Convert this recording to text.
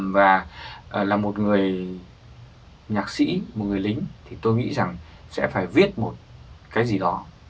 và là một người nhạc sĩ một người lính thì tôi nghĩ rằng sẽ phải viết một cái gì đó